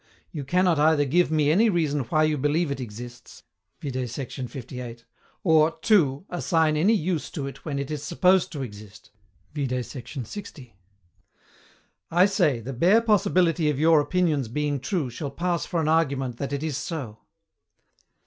YOU CANNOT EITHER GIVE ME ANY REASON WHY YOU BELIEVE IT EXISTS [Vide sect. lviii.], OR (2.) ASSIGN ANY USE TO IT WHEN IT IS SUPPOSED TO EXIST [Vide sect. lx.]. I say, the bare possibility of your opinions being true shall pass for an argument that it is so.